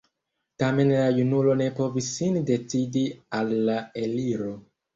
Tamen la junulo ne povis sin decidi al la eliro.